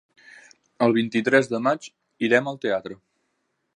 El vint-i-tres de maig irem al teatre.